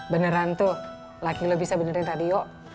beneran tuh laki lu bisa benerin radio